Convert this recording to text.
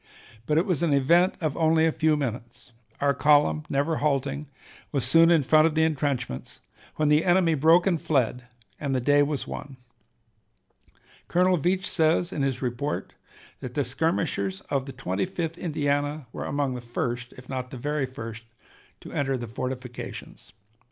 But it was an event of only a few minutes; our column, never halting, was soon in front of the intrenchments, when the enemy broke and fled, and the day was won. Colonel Veatch says in his report that the skirmishers of the Twenty fifth Indiana were among the first, if not the very first, to enter the fortifications.